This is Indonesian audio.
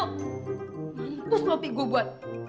mampus loh opi gue buat